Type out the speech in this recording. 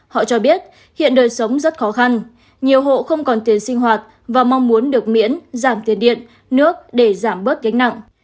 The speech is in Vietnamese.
họ cho biết hiện đời sống rất khó khăn nhiều hộ không còn tiền sinh hoạt và mong muốn được miễn giảm tiền điện nước để giảm bớt gánh nặng